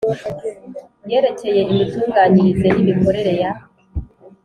yerekeye imitunganyirize n imikorere ya